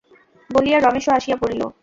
বলিয়া রমেশও আসিয়া পড়িল।